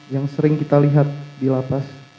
yang sering kita lihat di lapas